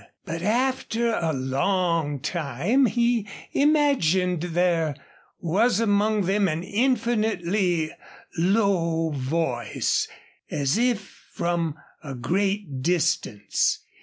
But after a long time he imagined there was among them an infinitely low voice, as if from a great distance.